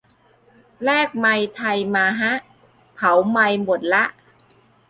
แลกไมล์ไทยมาฮะ เผาไมล์หมดละ